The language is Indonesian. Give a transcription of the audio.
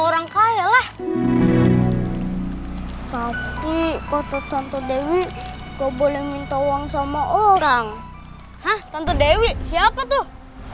orang kaya lah tapi koto dewi kau boleh minta uang sama orang hah tante dewi siapa tuh